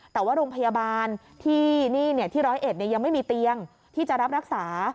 แต่ว่าโรงพยาบาลที่๑๐๑ยังไม่มีเตียงที่จะรับรักษา